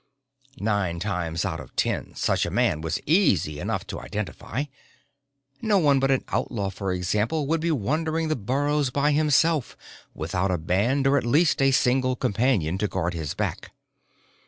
Nine times out of ten, such a man was easy enough to identify. No one but an outlaw, for example, would be wandering the burrows by himself, without a band or at least a single companion to guard his back.